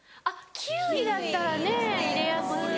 キウイだったらね入れやすい。